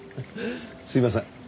すいません